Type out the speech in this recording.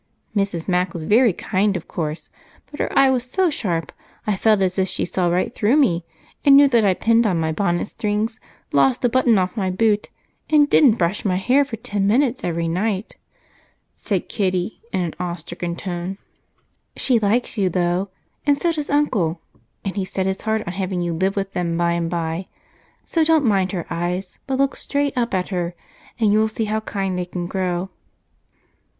Mrs. Mac was very kind, of course, but her eye was so sharp I felt as if she saw right through me, and knew that I'd pinned on my bonnet strings, lost a button off my boot, and didn't brush my hair for ten minutes every night," said Kitty in an awe stricken tone. "She likes you, though, and so does Uncle, and he's set his heart on having you live with them by and by, so don't mind her eyes but look straight up at her, and you'll see how kind they can grow."